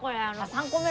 ３個目！？